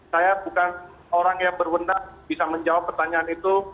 saya bukan orang yang berwenang bisa menjawab pertanyaan itu